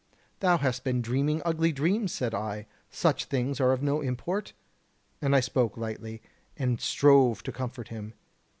'Thou hast been dreaming ugly dreams,' said I, 'such things are of no import.' And I spoke lightly, and strove to comfort him.